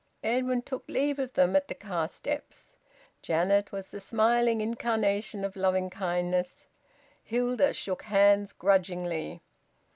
Edwin took leave of them at the car steps. Janet was the smiling incarnation of loving kindness. Hilda shook hands grudgingly.